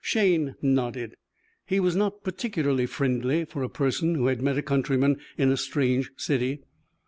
Shayne nodded. He was not particularly friendly for a person who had met a countryman in a strange city.